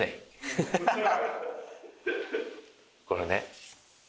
これね。